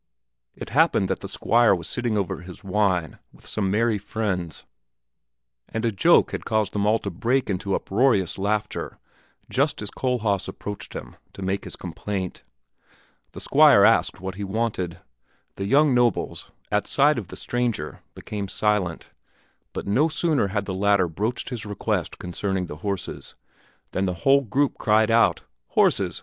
It happened that the Squire was sitting over his wine with some merry friends, and a joke had caused them all to break into uproarious laughter just as Kohlhaas approached him to make his complaint. The Squire asked what he wanted; the young nobles, at sight of the stranger, became silent; but no sooner had the latter broached his request concerning the horses, than the whole group cried out, "Horses!